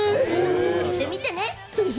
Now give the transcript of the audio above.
行ってみてね、ぜひ。